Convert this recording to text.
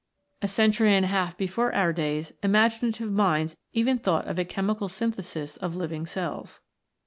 A century and a half before our days imaginative minds even thought of a chemical synthesis of living cells.